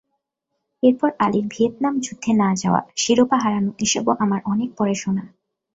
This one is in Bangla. এরপর আলীর ভিয়েতনাম যুদ্ধে না-যাওয়া, শিরোপা হারানো এসবও আমার অনেক পরে শোনা।